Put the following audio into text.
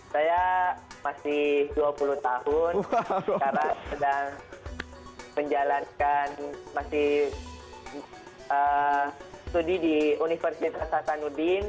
saya masih dua puluh tahun sekarang sedang menjalankan masih studi di universitas hasanuddin